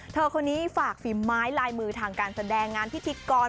เธอคนนี้ฝากฝีไม้ลายมือทางการแสดงงานพิธีกร